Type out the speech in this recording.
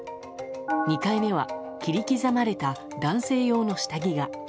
２回目は切り刻まれた男性用の下着が。